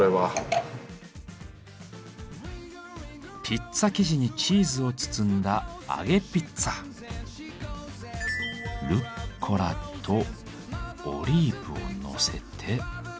ピッツァ生地にチーズを包んだルッコラとオリーブをのせて。